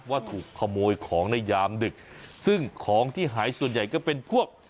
ว่าถูกขโมยของในยามดึกซึ่งของที่หายส่วนใหญ่ก็เป็นพวก